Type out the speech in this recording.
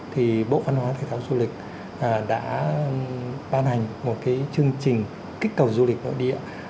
thì bộ phân hóa thế giáo du lịch đã ban hành một cái chương trình kích cầu du lịch nội địa